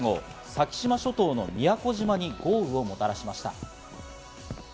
先島諸島の宮古島に豪雨をもたらしました。